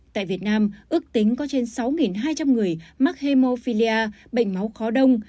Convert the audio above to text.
tại việt nam ước tính có trên sáu hai trăm linh người mắc hemophelia bệnh máu khó đông